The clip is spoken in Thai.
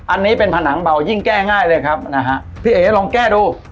อันนี้เป็นผนังเบายิ่งแก้ง่ายเลยครับนะฮะพี่เอ๋ลองแก้ดู